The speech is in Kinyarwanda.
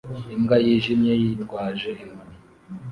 Imbwa yijimye yitwaje inkoni